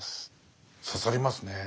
刺さりますね。